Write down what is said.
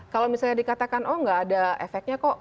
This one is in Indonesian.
kalau misalnya dikatakan oh nggak ada efeknya kok